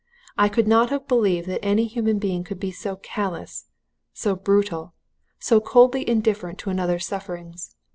I could not have believed that any human being could be so callous, so brutal, so coldly indifferent to another's sufferings.